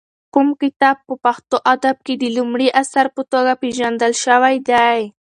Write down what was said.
کوم کتاب په پښتو ادب کې د لومړي اثر په توګه پېژندل شوی دی؟